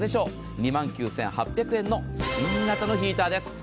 ２万９８００円の新型のヒーターです。